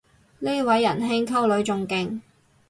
呢位人兄溝女仲勁